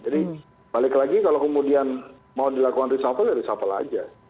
jadi balik lagi kalau kemudian mau dilakukan risafel ya risafel aja